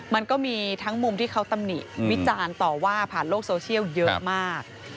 มันก็มีทั้งมุมที่เขาตำหนิวิจารณ์ต่อว่าผ่านโลกโซเชียลเยอะมาก